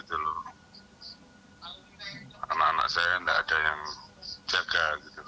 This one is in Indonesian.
anak anak saya tidak ada yang jaga